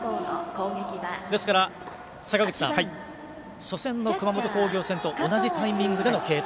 ですから、坂口さん初戦の熊本工業戦と同じタイミングでの継投。